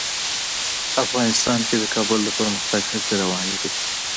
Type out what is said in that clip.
افغانستان کې د کابل د پرمختګ هڅې روانې دي.